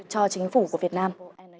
cho chính phủ của việt nam